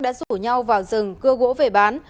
đã rủ nhau vào rừng cưa gỗ về bán